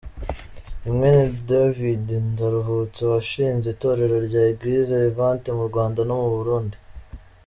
Ni mwene David Ndaruhutse washinze Itorero rya Eglise Vivante mu Rwanda no mu Burundi.